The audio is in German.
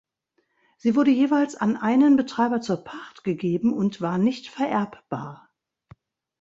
Sie wurde jeweils an einen Betreiber zur Pacht gegeben und war nicht vererbbar.